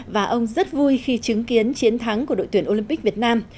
và ông rất vui khi chứng kiến chiến thắng của đội tuyển olympic việt nam